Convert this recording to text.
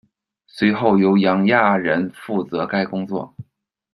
随后由杨亚人负责该工作。